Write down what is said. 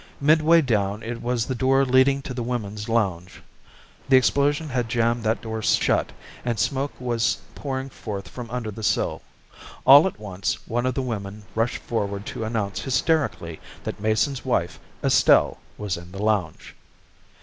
Midway down it was the door leading to the women's lounge. The explosion had jammed that door shut, and smoke was pouring forth from under the sill. All at once one of the women rushed forward to announce hysterically that Mason's wife, Estelle, was in the lounge.